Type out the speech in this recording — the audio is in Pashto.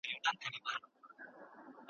آیا ته به ماته د خپل نوي پلان په اړه ووایې؟